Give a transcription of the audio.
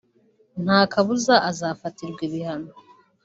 nta kabuza azafatirwa ibihano